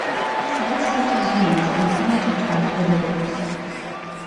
Sites such as these continue to attract visitors.